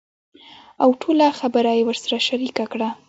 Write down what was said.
اوټوله خبره يې ورسره شريکه کړه .